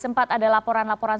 sempat ada laporan laporan